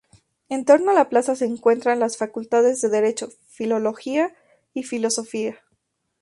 En torno a la plaza se encuentran las facultades de Derecho, Filología y Filosofía.